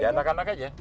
buat anak anak aja